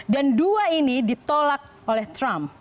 dan dua ini ditolak oleh trump